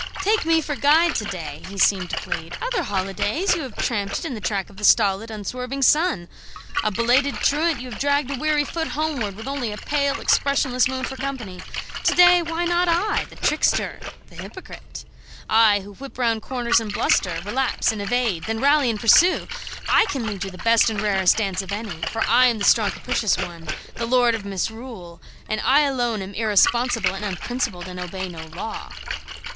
"Take me for guide to day," he seemed to plead. "Other holidays you have tramped it in the track of the stolid, unswerving sun; a belated truant, you have dragged a weary foot homeward with only a pale, expressionless moon for company. To day why not I, the trickster, the hypocrite? I, who whip round corners and bluster, relapse and evade, then rally and pursue! I can lead you the best and rarest dance of any; for I am the strong capricious one, the lord of misrule, and I alone am irresponsible and unprincipled, and obey no law."